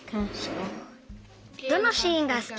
どのシーンがすき？